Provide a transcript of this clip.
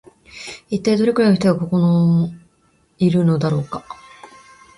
一体どれくらいの人がここのいるのだろうか